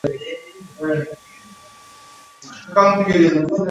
mara mmoja iwapo walikuwa na nia nzuri